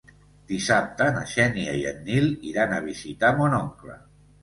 Dissabte na Xènia i en Nil iran a visitar mon oncle.